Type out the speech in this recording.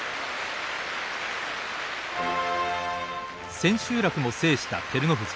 千秋楽も制した照ノ富士。